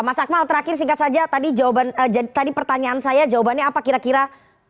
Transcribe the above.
mas akmal terakhir singkat saja tadi pertanyaan saya jawabannya apa kira kira